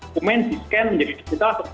komen diskan menjadi digital